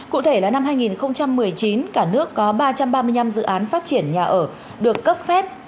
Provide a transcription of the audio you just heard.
cụ thể là năm hai nghìn một mươi chín cả nước có ba trăm ba mươi năm dự án phát triển nhà ở được cấp phép